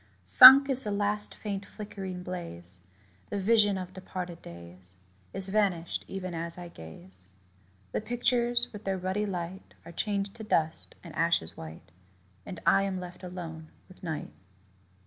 Sunk is the last faint flickering blaze: The vision of departed days Is vanished even as I gaze. The pictures, with their ruddy light, Are changed to dust and ashes white, And I am left alone with night.